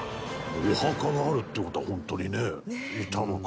お墓があるっていう事は本当にねいたのか。